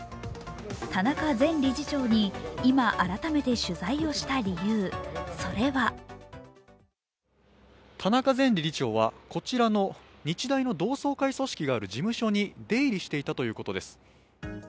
田中前理事長に今、改めて取材をした理由、それは田中前理事長は、こちらの日大の同窓会組織がある事務所に出入りしていたということです。